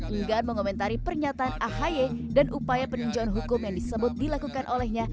enggan mengomentari pernyataan ahy dan upaya peninjauan hukum yang disebut dilakukan olehnya